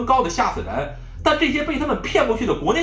ก็คิดว่ามันไม่มีเงิน